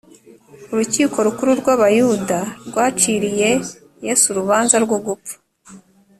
urukiko rukuru rw’abayuda rwaciriye yesu urubanza rwo gupfa